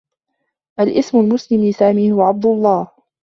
الإسم المسلم لسامي هو عبد الله.